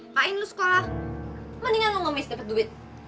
main lu sekolah mendingan lu ngemis dapet duit